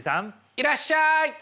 いらっしゃい！